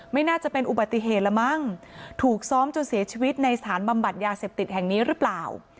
ไม่น่าจะเป็นอุบัติเหตุละมั้งถูกซ้อมจนเสียชีวิตในสถานบำบัดยาเสพติดแห่งนี้หรือเปล่า